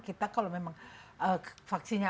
kita kalau memang vaksinnya